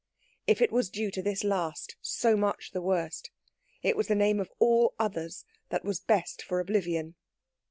If it was due to this last, so much the worse! It was the name of all others that was best for oblivion.